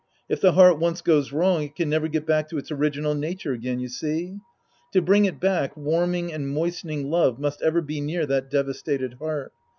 If the heart once goes wrong, it can never get back to its original nature again, you see. To bring it back, warming and moistening love must ever be near that devastated heart.